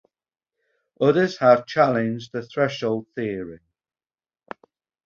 Others have challenged the threshold theory.